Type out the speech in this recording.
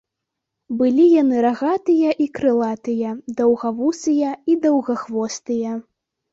Былі яны рагатыя і крылатыя, даўгавусыя і даўгахвостыя.